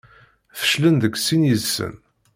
Feclen deg sin yid-sen.